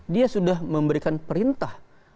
dia sudah memberikan perintah